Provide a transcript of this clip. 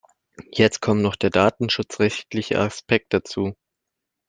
Jetzt kommt noch der datenschutzrechtliche Aspekt dazu.